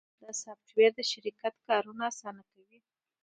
دا سافټویر د شرکت کارونه اسانه کوي.